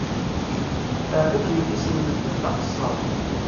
Terriḍ yelli-s n medden d aqessar.